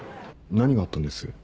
何があったんです？